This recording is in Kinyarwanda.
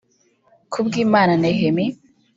Kubwimana Nehemie